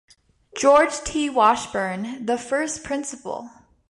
George T. Washburn, the first principal.